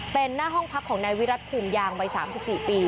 เป็นหน้าห้องพักของนายวิรัติภูมิยางใบสามสิบสี่ปี